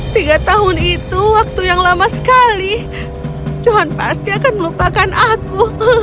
tiga tahun itu waktu yang lama sekali johan pasti akan melupakan aku